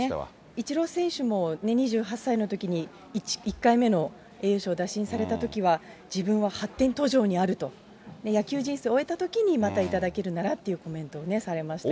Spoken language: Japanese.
イチロー選手も２８歳のときに１回目の栄誉賞を打診されたときは、自分は発展途上にあると、野球人生終えたときに、また頂けるならっていうコメントをされましたけど。